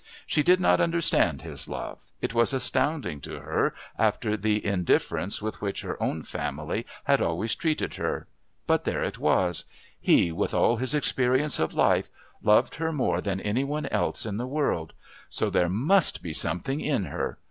She did not understand his love, it was astounding to her after the indifference with which her own family had always treated her. But there it was: he, with all his experience of life, loved her more than any one else in the world, so there must be something in her.